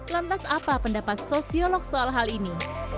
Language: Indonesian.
lantas apa pendapat sosiolog soal hal ini